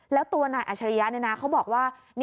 แล้วตัวนายอัชริยะเขาบอกว่า